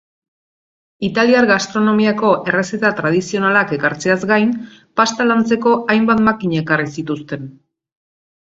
Italiar gastronomiako errezeta tradizionalak ekartzeaz gain, pasta lantzeko hainbat makina ekarri zituzten.